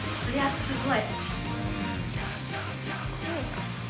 すごい！